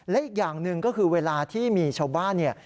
และอีกอย่างหนึ่งก็คือเวลาที่มีชาวบ้านเนี่ย